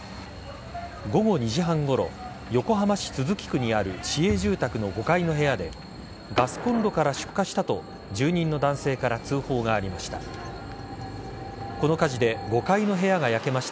午後２時半ごろ横浜市都筑区にある市営住宅の５階の部屋でガスコンロから出火したと住人の男性から通報がありました。